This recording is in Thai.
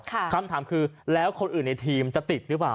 คำถามคือแล้วคนอื่นในทีมจะติดหรือเปล่า